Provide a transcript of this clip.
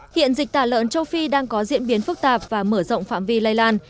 hiện dịch tả lợn châu phi đang có diễn biến phức tạp và mở rộng phạm vi lây lan